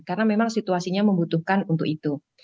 karena memang situasinya membutuhkan untuk itu